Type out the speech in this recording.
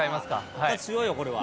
復活しようよこれは。